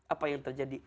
apa yang terjadi